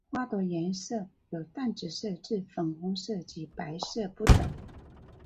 花朵颜色由淡紫色至粉红色及白色不等。